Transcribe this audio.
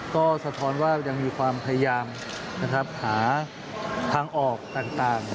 ก็สะท้อนว่ายังมีความพยายามหาทางออกต่าง